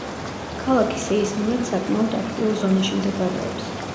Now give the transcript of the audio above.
ქალაქი სეისმურად საკმაოდ აქტიურ ზონაში მდებარეობს.